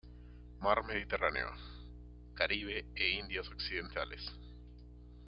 Mar Mediterráneo, Caribe e Indias Occidentales.